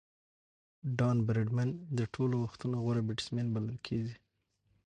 ډان براډمن د ټولو وختو غوره بيټسمېن بلل کیږي.